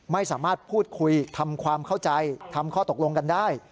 ไม่สามารถพูดคุยทำความเข้าใจทำข้อตกลงกันได้